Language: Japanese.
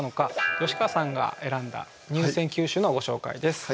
吉川さんが選んだ入選九首のご紹介です。